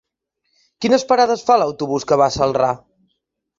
Quines parades fa l'autobús que va a Celrà?